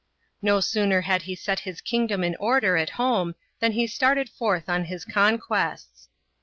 No sooner had he set his kingdom in order at home, than he started forth on his conquests.